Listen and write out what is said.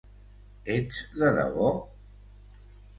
Ets de debò?